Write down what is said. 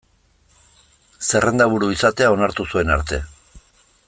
Zerrendaburu izatea onartu zuen arte.